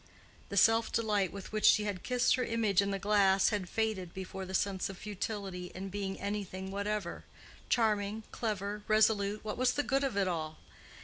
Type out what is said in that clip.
The self delight with which she had kissed her image in the glass had faded before the sense of futility in being anything whatever—charming, clever, resolute—what was the good of it all?